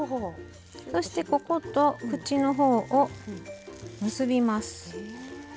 そしてここと口の方を結びます。